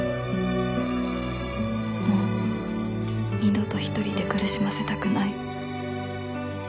もう二度と一人で苦しませたくない